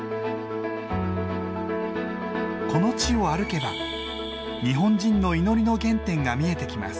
この地を歩けば日本人の祈りの原点が見えてきます。